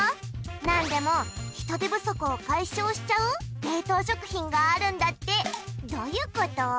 なんでも人手不足を解消しちゃう冷凍食品があるんだってどういうこと？